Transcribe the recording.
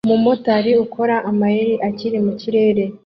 Umumotari ukora amayeri akiri mu kirere